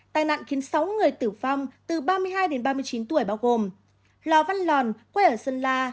tai nạn khiến sáu người tử vong từ ba mươi hai đến ba mươi chín tuổi bao gồm lò văn lòn quê ở sơn la